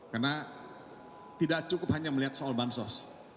karena tidak cukup hanya melihat soal bansos